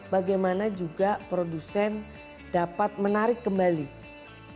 bagaimana juga produsen dapat menggunakan produk plastik yang sangat mudah untuk dihasilkan